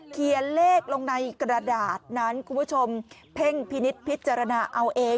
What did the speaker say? เขียนเลขลงในกระดาษนั้นคุณผู้ชมเพ่งพินิษฐพิจารณาเอาเอง